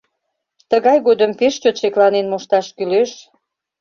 Тыгай годым пеш чот шекланен мошташ кӱлеш.